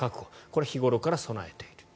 これを日頃から備えている。